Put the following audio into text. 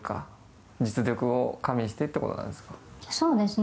そうですね。